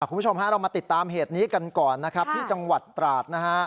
คุณผู้ชมฮะเรามาติดตามเหตุนี้กันก่อนนะครับที่จังหวัดตราดนะฮะ